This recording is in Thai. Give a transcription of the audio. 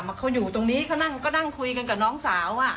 เขาอยู่ตรงนี้เขานั่งก็นั่งคุยกันกับน้องสาว